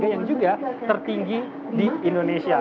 yang juga tertinggi di indonesia